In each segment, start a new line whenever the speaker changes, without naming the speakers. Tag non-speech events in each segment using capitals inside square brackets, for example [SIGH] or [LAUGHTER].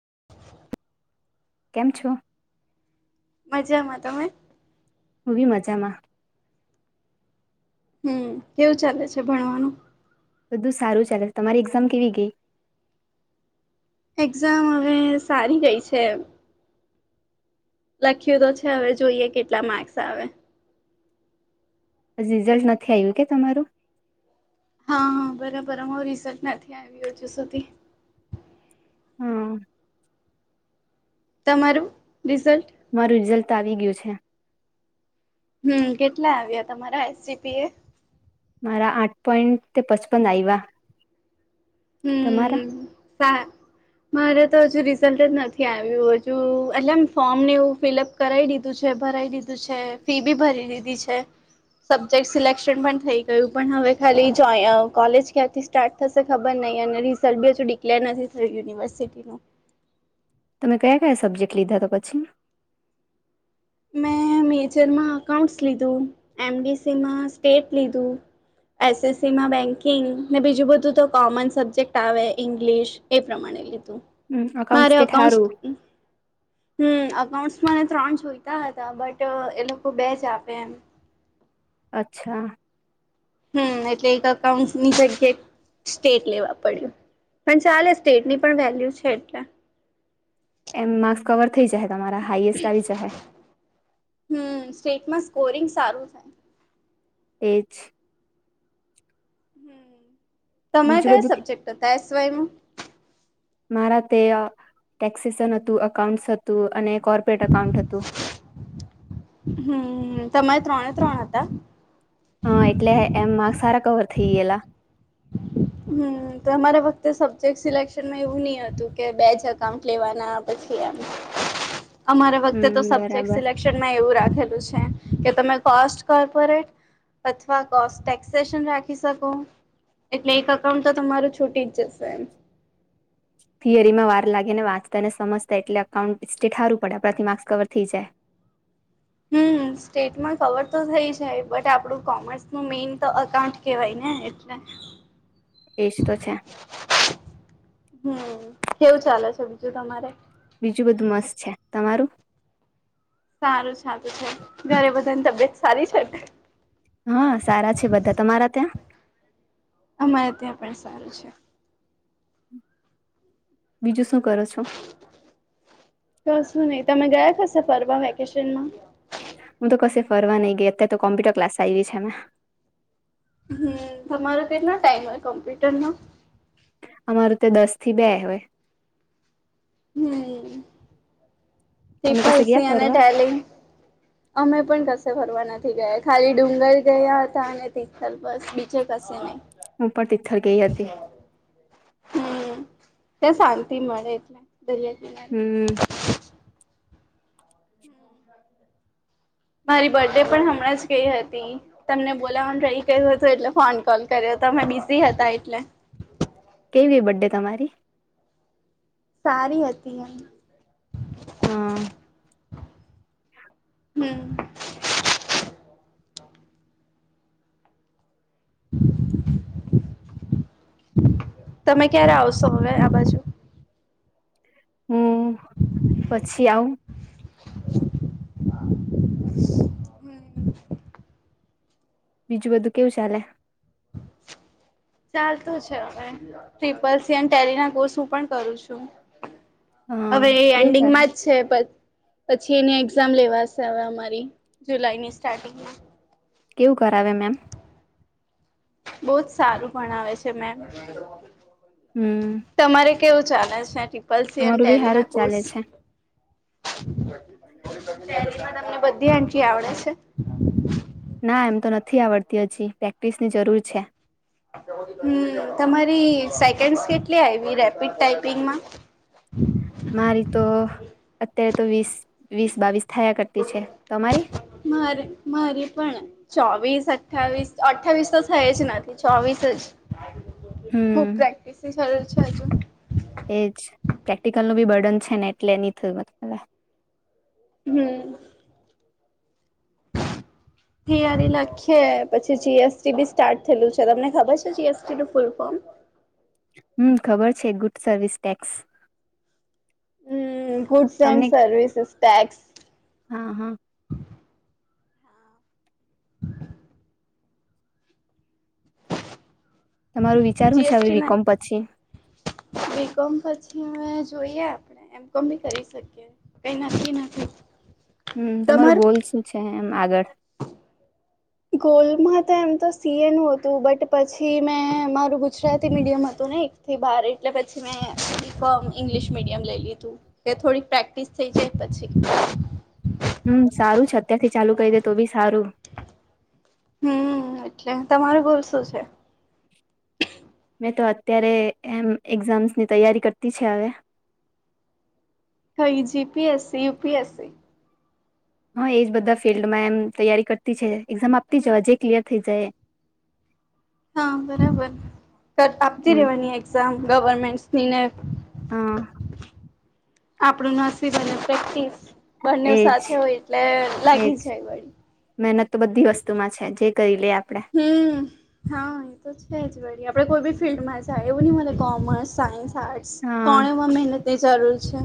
[INAUDIBLE]
કેમ છો?
મજામાં. તમે?
હું બી મજામાં.
હમ કેવું ચાલે છે ભણવાનું?
બધું સારું ચાલે. તમારી એક્ઝામ કેવી ગઈ?
એક્ઝામ હવે સારી ગઈ છે. લખ્યું તો છે હવે જોઈએ કેટલા માર્ક્સ આવે.
અજી રિઝલ્ટ નથી આવ્યું કે તમારું?
હા બરાબર અમારું રિઝ્ટ નથી આવી હજુ સુધી.
હમ્મ
તમારું રિઝલ્ટ?
મારું રિઝલ્ટ આવી ગયું છે.
હમ્મ. કેટલા આવ્યા તમારા એસજીપી એ?
મારા આઠ પોઈન્ટ તે પચપન આયવા.
હમ સા. મારે તો હજુ રિઝલ્ટ જ નથી આવ્યું હજુ એટલે એમ ફોર્મ નેવું ફિલઅપ કરાવી દીધું છે. ભરાઈ દીધું છે ફી બી ભરી દીધી છે. સબ્જેક્ટ સિલેક્શન પણ થઈ ગયું પણ હવે ખાલી કોલેજ ક્યાંથી સ્ટાર્ટ થશે ખબર નઈ અને રિસર્ટ બી ડિક્લેર નથી થયું યુનિવર્સિટીનું.
તમે કયા કયા સબ્જેક્ટ લીધા તો પછી?
મેં મેજરમાં અકાઉન્ટ્સ લીધું, એમબીસીમાં સ્ટેટ લીધું, એસએસસીમાં બેન્કિંગ ને બીજું બધું તો કોમન સબ્જેક્ટ આવે ઇંગ્લિશ એ પ્રમાણે લીધું.
હમ અકાઉન્ટ
મારે
સ્ટેટ
અકાઉન્ટસ
હારું.
હમ્મ. એકાઉન્ટસ મારે ત્રણ જોય [UNINTELLIGIBLE] હતા બટ એ લોકો બે જ આપે એમ.
અચ્છા.
હમ એટલે એક અકાઉન્ટની સબ્જેક્ટ સ્ટેટ લેવા પડ્યું. પણ ચાલે સ્ટેટની પણ વેલ્યુ છે એટલે.
એમ માર્ક્સ કવર થઈ જાય તમારા હાઈએસ્ટ આવી જશે
હમ સ્ટેટમાં સ્કોરિંગ સારું થાય
એજ [INAUDIBLE]
હ તમે
બીજું
કયા
બધું કે-
સબ્જેક્ટ હતા એસ વાય.
મારા તે ટેક્સસન હતું અકાઉન્ટસ હતું અને. કોર્પોરેટ અકાઉન્ટ હતું.
હમ તમારે ત્રણે ત્રણ હતા.
હા એટલે એમ માર્ક સારા કવર થઇ ગયેલા.
હમ અમારા વખતે સબ્જેક્ટ સિલેક્શનમાં એવું નહી હતું કે બે જ અકાઉન્ટ લેવાના પછી. અમારા વખતે તો
હમ
સબજેક્ટ
બરાબર.
સિલેક્શનમાં એવું રાખે. ેલું છે કે તમે કોસ્ટ કોર્પોરેટ અથવા કો ટેક્સેશન રાખી શકો બેક અકાઉન્ટ તો તમારું છૂટી જ જશે એમ
થિયરી માં વાર લાગે ને વાંચતા ને સમજતા એટલે અકાઉન્ટઠારું પડે આપણાથી માર્ક્સ કવર થઈ જાય. [INAUDIBLE]
હમ સ્ટેટમાં કવર તો થઈ જાય બટ આપણું કોમર્સ નું મેઈન તો અકાઉન્ટ કહેવાય ને એટલે‌
એસ તો છે.
હમ કેવું ચાલે છે બીજું તમારે.
બીજું બધું મસ્ત છે તમારું.
સારું સાલું છે ઘરે બધાની તબિયત સારી છે.
હા સારા છે બધા તમારા ત્યાં
અમારે ત્યાં પણ સારું છે.
બીજું શું કરો છો.
શું નહી તમે ગયા ખસે ફરવા વેકેશનમાં
હું તો ક ફરવા નહી ગઈ અત્યારે તો કોમ્પ્યુટર ક્લાસ આવી છે અમે‌.
હમ તમારો કેટલો ટાઈમ હોય કોમ્પ્યુટર નો.
મારતે દસ થી બે હોય. તમે
[INAUDIBLE] િહ
કશે ગયા
અને
ફરવા
ટેલિ અમે પણ કશે ફરવાના. ગયા ખાલી ડુંગર ગયા હતા અને તિખથલ બસ બીચે કસે નહી.
હું પણ તિથર ગઈ હતી.
હમ ત્યા શાંતિ મળે એટલે દરિયા કિનારે.
હમ
મારી બર્થ ડે પણ હમણાં જ ગઈ હતી તમને બોલા હું ટઈ કર્યું હતું એટલે ફોન કોલ કર્યો હતો. તમે બિઝી હતા એટલે.
કેવી બડ ડે તમારી.
સારી હતી એમ
હ
[INAUDIBLE] [INAUDIBLE] તમે ક્યારે આવશો હવે આ બાજુ.
હમ પછી આવુ
[INAUDIBLE]
બીજું બધું કેવું ચાલે.
ચાલતું છે હવે ટપલ સરી ના કોર્સ હું પણ કરું છું.
હા
હવે
કેવું ચાલે
એન્ડિંગમાં જ છે પસ્ પછી એની એક્ઝામ લેવાશે હવે અમારી જુલાઈની સ્ટાર્ટિંગમાં.
કેવું ઘ આવે મેમ.
બહ જ સારું પણ આવે છે મેમ
હમ
તમારે. કેવું ચાલે છે ટપલ સ
અમારું બી
એટે
હારું
ના
જ ચાલે
કોર્સ.
છે.
માં તમને બધી આંટી આવડે છે.
ના એમ તો નથી આવડતી હજી પ્રેક્ટિસની જરૂર છે.
હમ તમારી સેકન્ડસ કેટલી આવી રેપિડ ટાઈપિંગમાં
[INAUDIBLE] મારી તો અત્યારે તો વીસ વીસ બાવીસ થયા કરતી છે તમારી
મારે મારી પણ ચો વીસ અઠ્ઠાવીસ અઠ્ઠાવીસ તો થઈ જ નથી ચોવીસ જ ખૂબ
હમ
પ્રેક્ટિસ સરવીસ્
એજ પ્રેક્ટિકલ ન બી બર્ડન છે ને એટલે નની થયું.
હમ હી અને લખીયે પછી જીએસટી બી સ્ટાર્ટ થયેલું છે તમને ખબર છે જીએસટી નું ફૂલ ફોર્મ
હમ ખબર છે good service tax
foods and
તમને
સર્વિસેસ ટટેક્સ
હા હા તમારું વિચાર હું છે હવે
જિયેસ્તી ના
બીકોમ પછી
બિકોમ્ પછી મેજ જોઈએ આપણે એમ કોી કરી શકીએ કઈ નકી નથી.
હમ તમારો ગોલ
તમારું
શું છે એમ આગળ
ગોલમાં તો એમ તો સીએ નું હતું બટ પછી મેં મારું ગુજરાતી મીડિયમ હતું ને એક થી બાર એટલે પછી મેં ઇંગ્લિશ મીડિયમ લઈ લીધું કે થોડીક પ્રેક્ટિસ થઈ જે પછી
હમ સારું છે અત્યારથી ચાલુ કહી દે તો બી સારું
હમ એટલે તમારું બોલ શું છે
મેં તો અત્યારે એમ એક્ઝામ્સની તૈયારી કરતી છે અવે
હઈ જીપીએસસી યુપીએસસી
હા એજ બધા ફિલ્ડમાં એમ તૈયારી કરતી છે એક્ઝામ આપતી જવા જે ક્લિયર થઈ જાય એ [INAUDIBLE]
હા બરાબર આપતી
હમ
રવાની એઝામ ગવર્મેન્ટનીને
હા
આપણું નાસીબ્ અને પ્રે્ટસ
એજ એજ
લાગી જાય વળી
મહેનત તો બધી વસ્તુમાં છે જે કરીલે આપ
હમ હા એ તો છે જ વારી આપણે કોઈ બી ફિલ્ડમાં જાય એવું નહી મ કોમર્સ સાયન્સ આર્ટસ
હા
તોમાં મહેન ની જરૂરી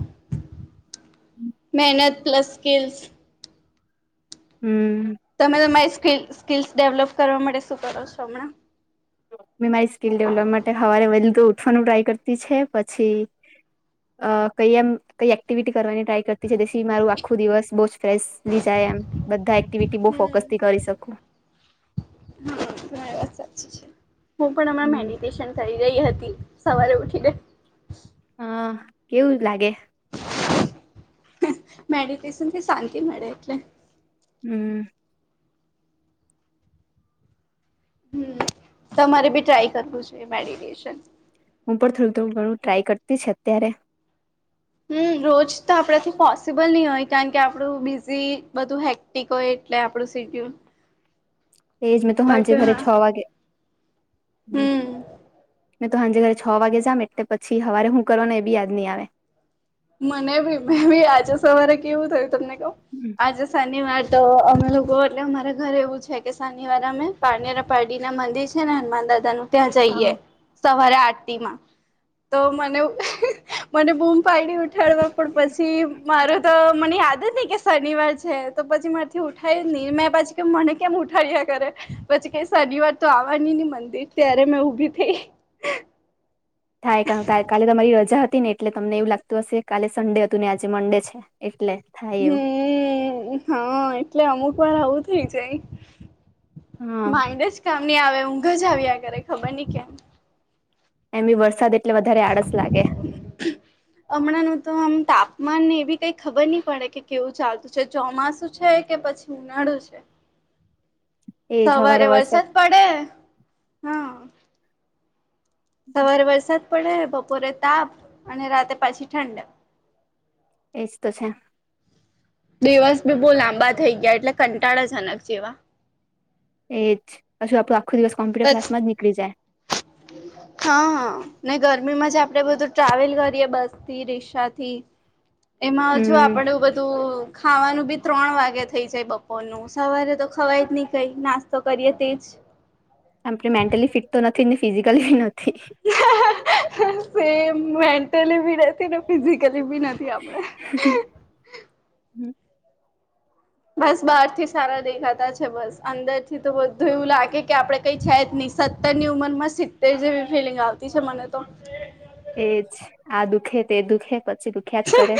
મહેનત પ્લસ સ્કિલ્સ
હમ
તમે તમારી સ્કીલ સ્કલસ ડેવલપ કરવા માટે શું કરો છો હમણાં
મેં મારી સ્કીિલ ડેવલપ માટે હવારે વેલ્ ગુડ. ઠવાનું ટ્રાય કરતી છે પછી કઈ એમ કઈ એક્ટિવિટી. કરવાની ટ્રાય કરતીી મારું આખું દિવસ બ જ ફ લી જાય એમ બધા એક્ટિવિટી બહ ફોકસથી
હમ
કરે. શકોું.
હા ઘ વા. હું પણ અમામાં
હમ
મેડિટેશન કરી રહી હતી સવારે ઉઠીને.
હા કેવું લાગે.
મેડિટેશન કે શાંતિ મળે એટલે.
હમ.
હમ તમારે બી ટ્રાય કરવું જોઈ મેડિટેશન.
હું પણ થોડું થોડું ઘણું ટ્રાય કરતી છે અત્યારે.
હમ
હ.
રોજ તો આપડા થી પોસિબલ નહી હોય કારણ કે આપણું બીઝી બધું હેક્ટિક હોય એટલે આપડું. થ કું.
એજ મે તો હાજ ઘરે છ વાગગે હ.
હમ
મેં તો સાંજે ઘરે છ વાગે જામ એટલે પછી સવારે હું કરવાનું એ બી યા નહહી આવે.
મને બી મે ભી આજે સવારે કેવું થયું તમને કહ આજે સાનિવાર. તો અમે લોકો એટલે અમારા ઘરે એવું છે કે શનિવારે અમે પાનેરા પડીના મંદિર છે ને હનુમાન દાદાનું. ત્યા
હા
જઈએ સ. રા આરટીમાં તો મને મને બૂમ પાડીડી ઉ. ળવા પછી માર તો મને યાદ જ કે. શનિવાર છે તો પછી મારીથી ઉઠાય ન મેં પાછી કે મને કેમ ઉઠાડ્યા કરે પછી ક. ઘણી વાર તો આવવાની ને મંદિર ત્યારે મેં ઉભી થઈ.
થાય ક કાલે તમારી રજા હતી. ને એટલે તમને એવું લાગતું હશે કાલે સન્ડે હતું ને આજે મંડે છે એટલે. થાય એવું
હમ હા એટલે અમુક વાર આવું થઇ જ.
હા
માઇડ જ કામ ન આવે ઊંઘ જ આવ્યા કરરેે ખબર નહી કેમ.
એમી વરસાદ એટ.
હમણાં ન તો આમ તાપ. મને એવી કઈ ખબર નહી પડે કે કેવું ચાલતું છે ચોમાસું છે કે પછી ઉનાળું છે.
એજ હવારે
સવારે વરસાદ પડે હા. સવાર વર્ષ. પડે બપોરે તાપ અને રાતે પાછી ઠંડ.
એજ તો છે.
દિવસ બી બહુ લાંબા થઈ ગયા એટલે કંટાળાજનક જેવા.
એજ હશું આપણું આખો દિવસ કોમ્પ્યુટર
પછી
ક્લાસમાં જ નીકળી જાય.
હા હા ને ગરમીમાં જ આપણેે બધું ટ્રાવેલ કરીએ બસ થી રિક્ષાથી.
[INAUDIBLE]
એમાં જો
હમ
આપડે બધું ખાવાનું બી. ત્રણ વાગે થઈ જાય બપોર નું સવારે તો ખવાય જ નહી કઈ નાસ્તો કરીએ તેજ.
આપણે મેન્ટલી ફિટ તો નથી ને ફિઝિકલીી નથી.
સમ મેન્ટલીી ને ફિઝિકલી. લ બી નથી આપડે. બસ બહાર થી સારા દેખાતા છે બસ અંદર થી તો બધું એવું લાગે કે આપડે કઈ છે જ ન. સત્તર ની ઉંમર માં સિત્તેર જેવી ફિલિંગ આવતી છે મને તો.
એજ આ દુખે તે દુખે પછી દુખ્યા જ કરે.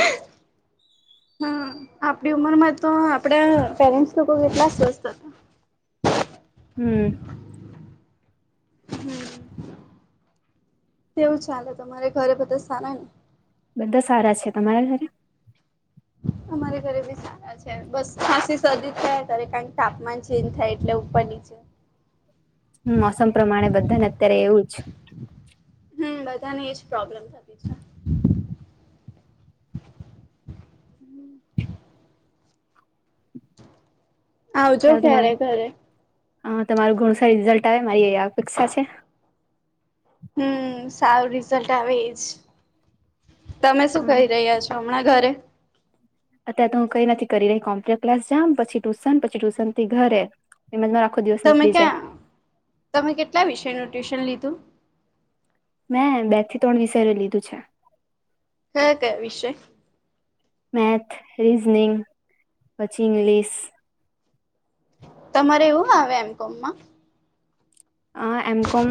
હમ આપણી ઉમરમાં તો આપડા પેરેન્ટ્સ લોકો કેટલા સ્વસ્થ હતા.
હમ.
તેવું ચાલે તમારે ઘરે બધા સાર ને.
બધા સારા છે તમારા ઘરે.
રે ઘરે બી સારા છે બસ ખાસી સદી થાય ત કારણ કે તાપમાન ચેજ થાય એટલે ઉપર નીચે
મોસમ પ્રમાણે બધાને અત્યારે એવું જ
હમ્મ બધાને એજ પ્રોબ્લેમ થતી છે આવજો ક્યારે ઘરે
હા તમારું ઘણું સારું રિઝલ્ટ આવે મારી અપેક્ષા છે
હમ્મ સારું રિઝલ્ટ આવેજ તમે શું
હમ
કહી રહ્યા છો હમણાં ઘરે
અત્યારે તો હું કઈ નથી કરી રહી કોમ્પ્યુટર ક્લાસ જમ પછી ટ્યુશન પછી ટ્યુશન થી ઘરે એમજ મારો આખો દિવસ
તમે
નીકળી જાય
ક્યાં તમે કેટલા વિષયનું ટ્યુશન લીધું
મેં બે થી ત્રણ વિષય લીધું છે
ક્યાં કયા વિષય
મેથ રીઝનિંગ પછી ઇંગ્લિશ
તમારે એવું આવે એમ કોમમાં
એમ કોમ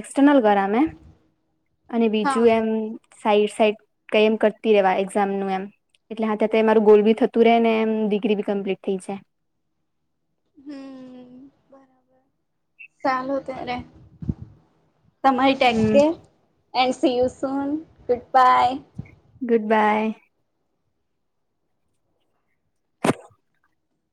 એક્સટર્નલ કરા મે અને
હા
બીજું એમ સાઈડ સાઈડ કઈ એમ કરતી રેવા એક્ઝામ નું એમ એટલે હાથે હાથે મારું ગોલ બી થતું રહે ને ડિગ્રી બી કમ્પ્લીટ થઈ જાય
હમ બરાબર ચાલો ત્યારે તમારી ટીક
હમ
કેર સેયું સુન ગુડ બાય
ગુડ બાય